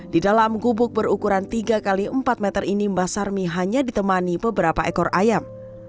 di dalam gubuk berukuran tiga x empat meter ini mbak sarmi hanya ditemani beberapa ekor ayam